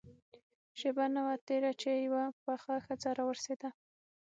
شېبه نه وه تېره چې يوه پخه ښځه راورسېده.